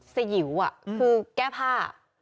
สยิวคือแก้ผ้า